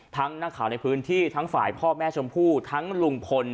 นักข่าวในพื้นที่ทั้งฝ่ายพ่อแม่ชมพู่ทั้งลุงพล